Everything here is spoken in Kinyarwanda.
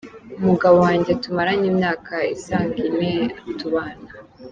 Umugabo wanjye tumaranye imyaka isaga ine tubana.